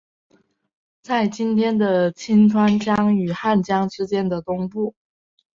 在今天的清川江与汉江之间的东部。